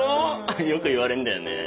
よく言われんだよね。